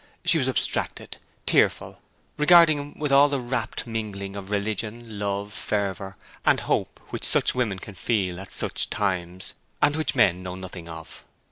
She was abstracted, tearful, regarding him with all the rapt mingling of religion, love, fervour, and hope which such women can feel at such times, and which men know nothing of.